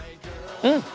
うん！